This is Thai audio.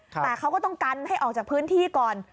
แต่เขาก็ต้องกันให้ออกจากพื้นที่ก่อน